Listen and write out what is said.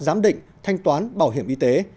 giám định thanh toán bảo hiểm y tế